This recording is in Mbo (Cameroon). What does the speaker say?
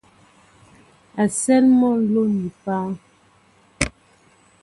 A sέέl mɔ nló ni páá.